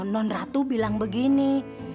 non ratu bilang begini